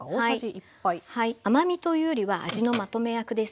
甘みというよりは味のまとめ役ですね。